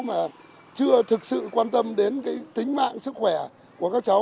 mà chưa thực sự quan tâm đến cái tính mạng sức khỏe của các cháu